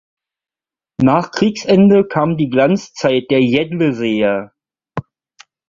Nach Kriegsende kam die Glanzzeit der Jedleseer.